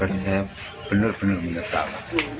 berpikir saya benar benar menyesal